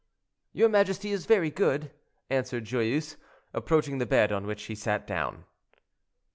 "Your majesty is very good," answered Joyeuse, approaching the bed, on which he sat down.